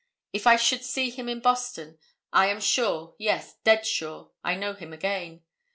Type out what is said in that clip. If I should see him in Boston, I am sure, yes, dead sure, I know him again.